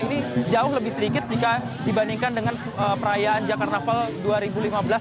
ini jauh lebih sedikit jika dibandingkan dengan perayaan jakarta fall dua ribu lima belas